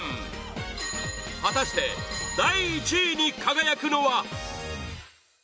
果たして第１位に輝くのは？